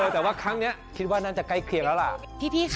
ยังเป็นแบบ